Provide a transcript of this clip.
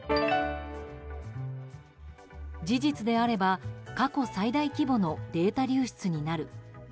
事実であれば、過去最大規模のデータ流出になる。